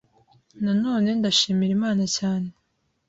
Nanone ndashimira Imana cyane